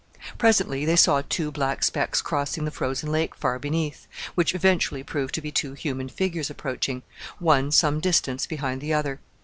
Presently they saw two black specks crossing the frozen lake far beneath, which eventually proved to be two human figures approaching one some distance behind the other.